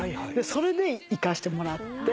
それで行かしてもらって。